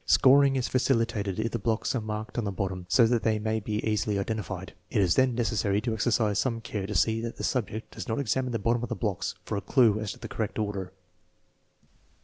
Scoring is facilitated if the blocks are marked on the bottom so that they may be easily identified. It is then necessary to exercise some care to see that the subject does not examine the bottom of the blocks for a clue as to the correct order.